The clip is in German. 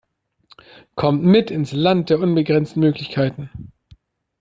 Kommt mit ins Land der unbegrenzten Möglichkeiten!